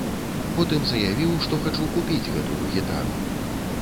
Потым заявіў, што хачу купіць гэтую гітару.